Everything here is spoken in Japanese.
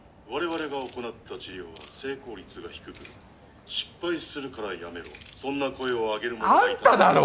我々が行なった治療は成功率が低く失敗するからやめろそんな声を上げる者が。